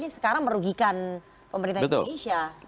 ini sekarang merugikan pemerintah indonesia